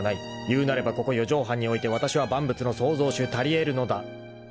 ［いうなればここ四畳半においてわたしは万物の創造主たり得るのだ］